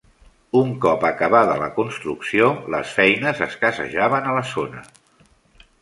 Un cop acabada la construcció, les feines escassejaven a la zona.